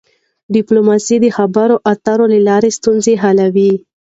ډيپلوماسي د خبرو اترو له لاري ستونزي حلوي.